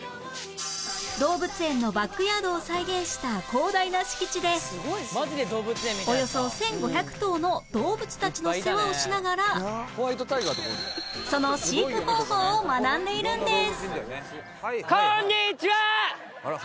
動物園のバックヤードを再現した広大な敷地でおよそ１５００頭の動物たちの世話をしながらその飼育方法を学んでいるんです